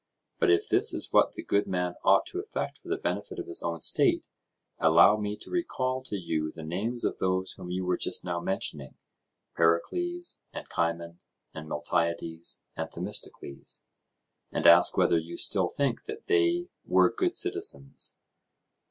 But if this is what the good man ought to effect for the benefit of his own state, allow me to recall to you the names of those whom you were just now mentioning, Pericles, and Cimon, and Miltiades, and Themistocles, and ask whether you still think that they were good citizens.